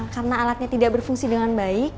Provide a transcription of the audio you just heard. karena alatnya tidak berfungsi dengan baik